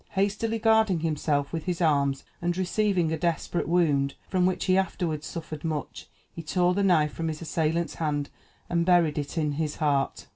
Hastily guarding himself with his arms, and receiving a desperate wound, from which he afterward suffered much, he tore the knife from his assailant's hand, and buried it in his heart.